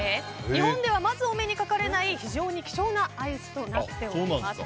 日本ではまずお目にかかれない非常に貴重なアイスとなっております。